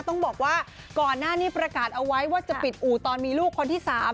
ต้องบอกว่าก่อนหน้านี้ประกาศเอาไว้ว่าจะปิดอู่ตอนมีลูกคนที่๓